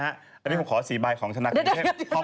คราวหนึ่งนี้นะฮะตอนนี้ผมขอ๔ใบของธนาคารกรุงเทพนี่นะครับ